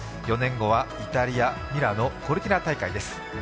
４年後はイタリア、ミラノ・コルティナ大会です。